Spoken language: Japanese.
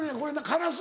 カラス